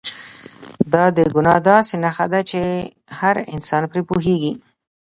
دا د ګناه داسې نښه ده چې هر انسان پرې پوهېږي.